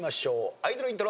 アイドルイントロ。